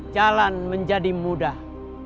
jalan menjadi mudah